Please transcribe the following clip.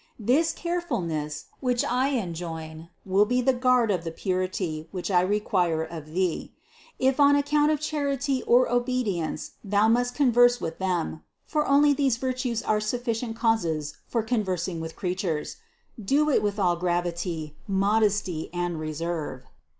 This carefulness, which I enjoin, will be the guard of the purity, which I require of thee. If on account of charity or obedience thou must converse with them ( for only these virtues are sufficient causes for con versing with creatures ), do it with all gravity, modesty and reserve.